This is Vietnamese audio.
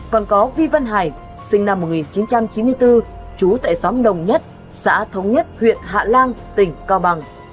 còn có vi văn hải sinh năm một nghìn chín trăm chín mươi bốn trú tại xóm đồng nhất xã thống nhất huyện hạ lan tỉnh cao bằng